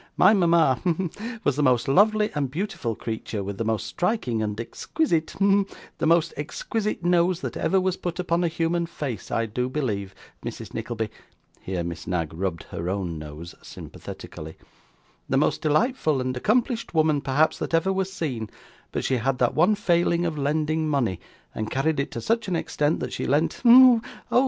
My mama hem was the most lovely and beautiful creature, with the most striking and exquisite hem the most exquisite nose that ever was put upon a human face, I do believe, Mrs Nickleby (here Miss Knag rubbed her own nose sympathetically); the most delightful and accomplished woman, perhaps, that ever was seen; but she had that one failing of lending money, and carried it to such an extent that she lent hem oh!